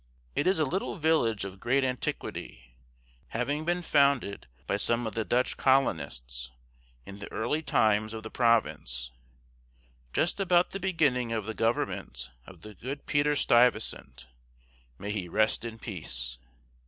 It is a little village of great antiquity, having been founded by some of the Dutch colonists, in the early times of the province, just about the beginning of the government of the good Peter Stuyvesant (may he rest in peace!)